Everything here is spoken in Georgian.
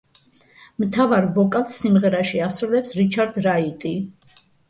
მთავარ ვოკალს სიმღერაში ასრულებს რიჩარდ რაიტი.